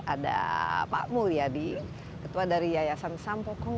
ada pak mulyadi ketua dari yayasan sampo pong